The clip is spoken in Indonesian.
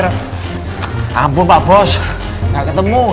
tunggu pak bos gak ketemu